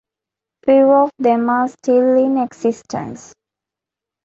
Few of them are still in existence.